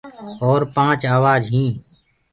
اور پآنچ آوآج هينٚ